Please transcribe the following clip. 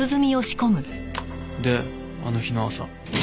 であの日の朝。